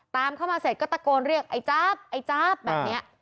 ตามเข้ามาเสร็จก็ตะโกนเรียกไอ้จ๊าบไอ้จ๊าบแบบนี้